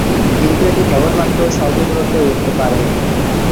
কিন্তু এটি কেবলমাত্র স্বল্প দূরত্বে উড়তে পারে।